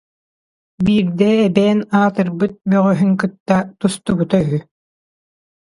Биирдэ эбээн аатырбыт бөҕөһүн кытта тустубута үһү